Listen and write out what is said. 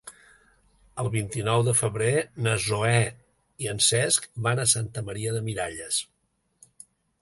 El vint-i-nou de febrer na Zoè i en Cesc van a Santa Maria de Miralles.